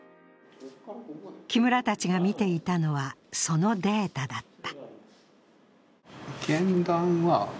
木村たちが見ていたのはそのデータだった。